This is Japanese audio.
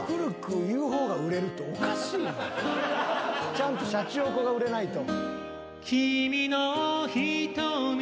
ちゃんとシャチホコが売れないと。